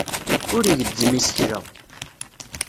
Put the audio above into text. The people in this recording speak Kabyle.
Ur igezzem isekla.